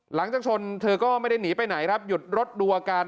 หลังจากชนเธอก็ไม่ได้หนีไปไหนครับหยุดรถดูอาการ